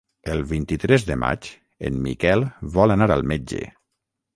El vint-i-tres de maig en Miquel vol anar al metge.